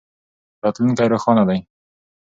راتلونکی روښانه دی.